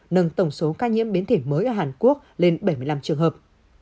nâng tổng số ca nhiễm biến thể mới ở hàn quốc lên bảy mươi năm trường hợp